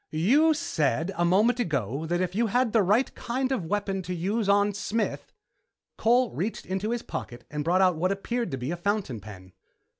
"You said a moment ago that if you'd had the right kind of weapon to use on Smith " Cole reached into his pocket and brought out what appeared to be a fountain pen.